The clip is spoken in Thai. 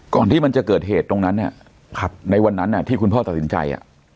ที่มันจะเกิดเหตุตรงนั้นในวันนั้นที่คุณพ่อตัดสินใจ